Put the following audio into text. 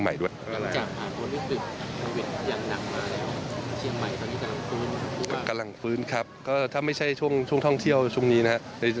กำลังฟื้นครับก็ถ้าไม่ใช่ช่วงท่องเที่ยวช่วงนี้นะครับ